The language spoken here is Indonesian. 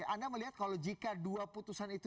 anda melihat kalau jika dua putusan itu